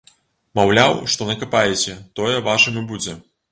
Маўляў, што накапаеце, тое вашым і будзе.